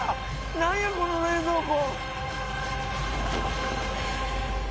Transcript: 何やこの冷蔵庫。